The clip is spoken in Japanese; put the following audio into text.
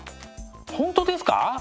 本当ですか？